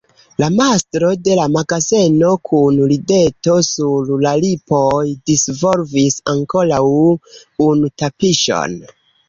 La mastro de la magazeno kun rideto sur la lipoj disvolvis ankoraŭ unu tapiŝon.